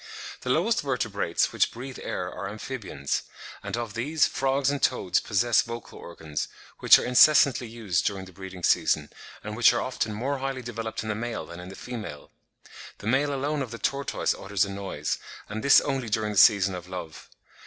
The lowest Vertebrates which breathe air are Amphibians; and of these, frogs and toads possess vocal organs, which are incessantly used during the breeding season, and which are often more highly developed in the male than in the female. The male alone of the tortoise utters a noise, and this only during the season of love.